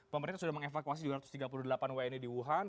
pemerintah sudah mengevakuasi dua ratus tiga puluh delapan wni di wuhan